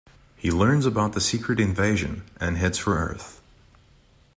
He learns about the Secret Invasion and heads for Earth.